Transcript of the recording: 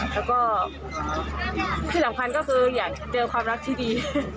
แล้วก็ที่สำคัญก็คืออยากเจอความรักที่ดี